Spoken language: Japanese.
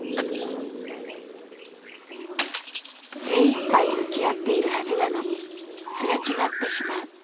精いっぱい向き合っているはずなのにすれ違ってしまう。